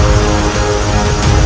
kau tak bisa menyembuhkan